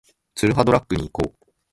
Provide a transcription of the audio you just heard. ツルハドラッグに行こう